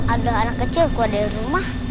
ada anak kecil ku ada di rumah